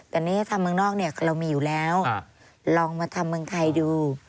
แต่นี่ถ้าทำเมืองนอกเนี่ยเรามีอยู่แล้วลองมาทำเมืองไทยดู